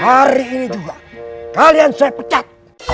hari ini juga kalian saya pecat